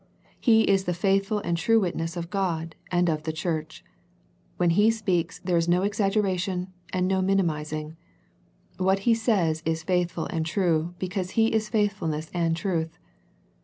He is the faithful and true Witness of God and of the Church. When He speaks there is no ex aggeration, and no minimizing. What he says is faithful and true because He is faithfulness and truth.